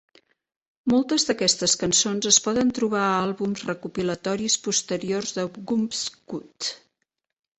Moltes d'aquestes cançons es poden trobar a àlbums recopilatoris posteriors de Wumpscut.